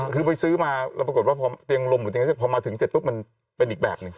คือไปซื้อมาแล้วปรากฏว่าพอเตียงลมหรือเตียงพอมาถึงเสร็จปุ๊บมันเป็นอีกแบบหนึ่ง